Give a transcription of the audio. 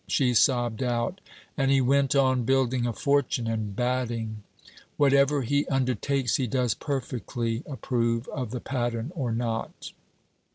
She sobbed out: 'And he went on building a fortune and batting! Whatever he undertakes he does perfectly approve of the pattern or not.